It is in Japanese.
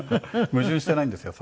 矛盾していないんですよ